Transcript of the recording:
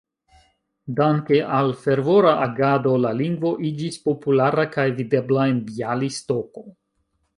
Danke al fervora agado la lingvo iĝis populara kaj videbla en Bjalistoko.